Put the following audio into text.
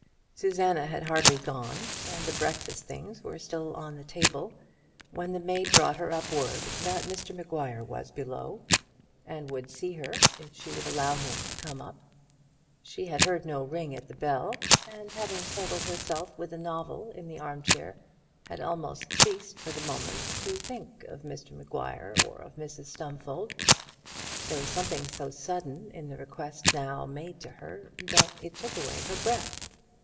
Susanna had hardly gone, and the breakfast things were still on the table, when the maid brought her up word that Mr Maguire was below, and would see her if she would allow him to come up. She had heard no ring at the bell, and having settled herself with a novel in the arm chair, had almost ceased for the moment to think of Mr Maguire or of Mrs Stumfold. There was something so sudden in the request now made to her, that it took away her breath.